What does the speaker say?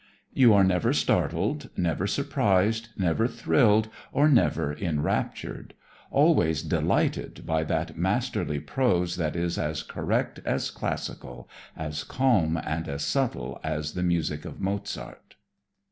You are never startled, never surprised, never thrilled or never enraptured; always delighted by that masterly prose that is as correct, as classical, as calm and as subtle as the music of Mozart.